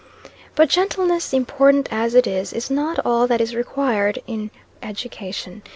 "But gentleness, important as it is, is not all that is required in education.